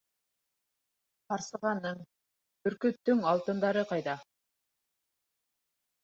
— Ҡарсығаның, бөркөттөң алтындары ҡайҙа?